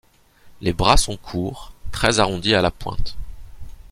Les bras sont courts, très arrondis à la pointe.